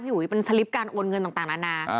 พี่อุ๋ยเป็นสลิฟก์การวนเงินต่างหน่านา